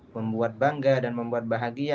membuat bangga dan membuat bahagia